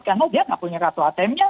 karena dia nggak punya kartu atm nya